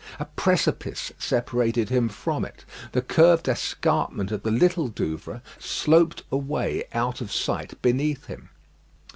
A precipice separated him from it. The curved escarpment of the Little Douvre sloped away out of sight beneath him.